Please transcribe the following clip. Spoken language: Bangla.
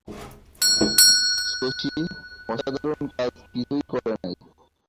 শশী অসাধারণ কাজ কিছুই করে নাই।